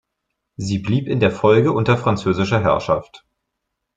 Sie blieb in der Folge unter französischer Herrschaft.